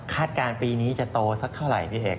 คาดการณ์ปีนี้จะโตสักเท่าไรพี่เอก